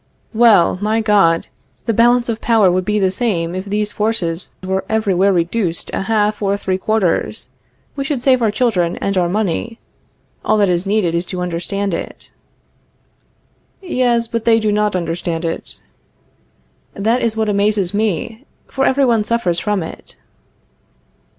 Well, my God! the balance of power would be the same if these forces were every where reduced a half or three quarters. We should save our children and our money. All that is needed is to understand it. Yes, but they do not understand it. That is what amazes me. For every one suffers from it.